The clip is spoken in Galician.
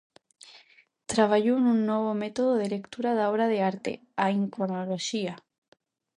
Traballou nun novo método de lectura da obra de arte, a iconoloxía.